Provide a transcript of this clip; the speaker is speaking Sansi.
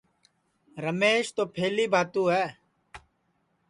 رمیش تو پَھلی بھاتو ہے